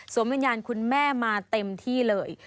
วิญญาณคุณแม่มาเต็มที่เลย